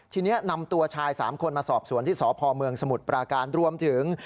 ทีนี้นำตัวชาย๓คนมาสอบสวนที่สพเมืองสมุทรปราการรวมถึง